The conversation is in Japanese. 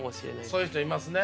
そういう人いますね。